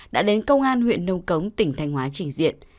đã đến công an huyện nông cống tỉnh thanh hóa trình diện